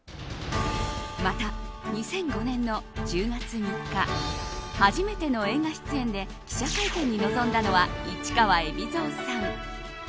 また、２００５年の１０月３日初めての映画出演で記者会見に臨んだのは市川海老蔵さん。